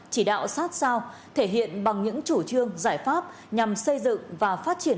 chỉ đạo sát sao thể hiện bằng những chủ trương giải pháp nhằm xây dựng và phát triển